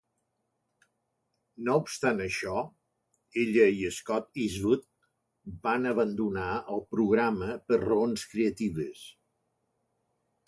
No obstant això, ella i Scott Eastwood van abandonar el programa per raons creatives.